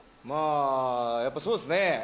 まぁやっぱそうっすね。